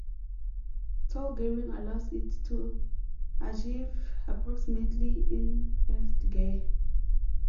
Tall gearing allows it to achieve approximately in first gear.